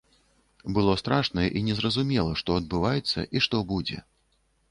Было страшна і незразумела, што адбываецца і што будзе.